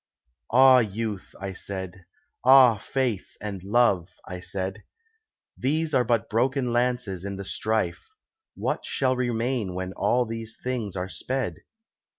"Ah, Youth," I said, "Ah, Faith and Love!" I said; "These are but broken lances in the strife! What shall remain when all these things are sped?"